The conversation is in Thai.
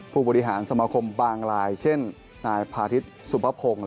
ผู้บริหารสมคมบางลายเช่นนายพาทิศสุภพงศ์